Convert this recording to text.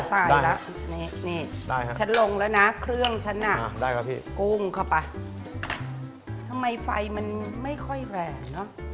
ได้ครับพี่อเรนนี่ฉันลงแล้วนะเครื่องฉันอ่ะปรุงเข้าไปทำไมไฟมันไม่ค่อยแรงเนอะ